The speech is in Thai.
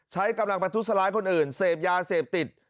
ใช้กำลังประทุษร้ายคนอื่นเสพยาเสพติด